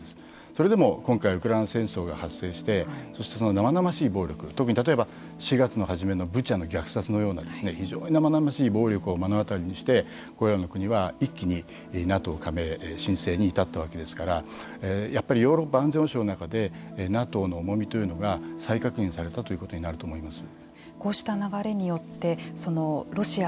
それでも今回ウクライナ戦争が発生してそして生々しい暴力特に例えば４月の初めのブチャの虐殺のような非常に生々しい暴力を目の当たりにしてこれらの国は一気にＮＡＴＯ加盟の申請に至ったわけですからやっぱりヨーロッパ安全保障の中でＮＡＴＯの重みというのが再確認されたということになると思います。